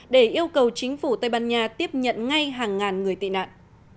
để yêu cầu chính phủ tây ban nha tiếp nhận ngay hàng ngàn người tị nạn